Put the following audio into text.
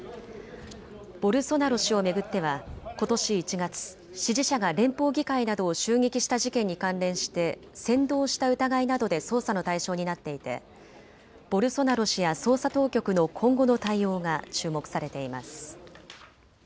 ボルソナロ氏を巡ってはことし１月、支持者が連邦議会などを襲撃した事件に関連して扇動した疑いなどで捜査の対象になっていてボルソナロ氏や捜査当局の今後の対応が注目されています。